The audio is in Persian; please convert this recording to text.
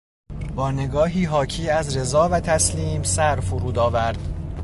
با نگاهی حاکی از رضا و تسلیم سر فرود آورد.